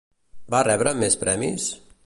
Va rebre més premis?